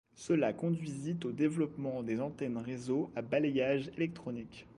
Cela conduisit au développement des antennes réseau à balayage électronique.